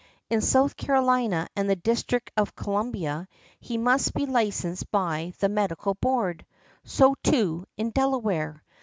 In South Carolina and the District of Columbia, he must be licensed by the medical board; so, too, in Delaware.